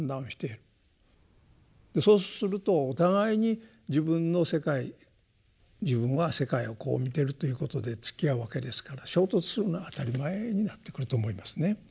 そうするとお互いに自分の世界自分は世界をこう見てるということでつきあうわけですから衝突するのは当たり前になってくると思いますね。